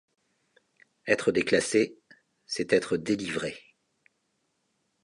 Être déclassée, c’est être délivrée.